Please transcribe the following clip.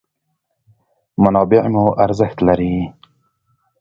منابع مو ارزښت لري.